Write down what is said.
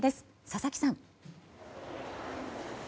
佐々木さん。